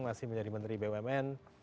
masih menjadi menteri bumn